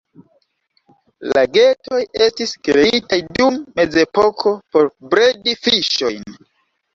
Lagetoj estis kreitaj dum mezepoko por bredi fiŝojn.